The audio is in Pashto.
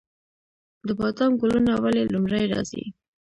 د بادام ګلونه ولې لومړی راځي؟